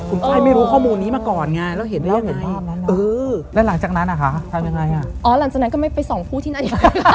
อ๋อหลังจากนั้นก็ไม่ไปสองคู่ที่นี่